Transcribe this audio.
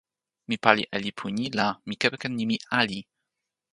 mi pali e lipu ni la, mi kepeken nimi "ali".